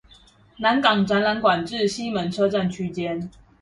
南港展覽館至西門車站區間